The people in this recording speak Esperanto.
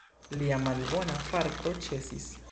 Lia malbona farto ĉesis.